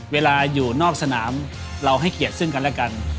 เวลาอยู่นอกสนามเราให้เกียรติซึ่งกันและกัน